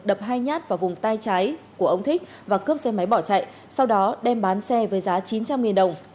đập hai nhát vào vùng tay trái của ông thích và cướp xe máy bỏ chạy sau đó đem bán xe với giá chín trăm linh đồng